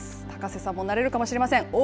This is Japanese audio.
高瀬さんもなれるかもしれません。